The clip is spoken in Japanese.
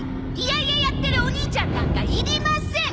嫌々やってるお兄ちゃんなんかいりません！